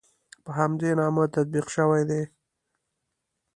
په همدې نامه تطبیق شوي دي.